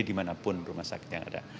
dimanapun rumah sakitnya ada